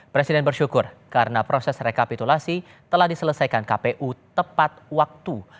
presiden bersyukur karena proses rekapitulasi telah diselesaikan kpu tepat waktu